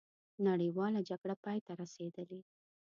نړیواله جګړه پای ته رسېدلې.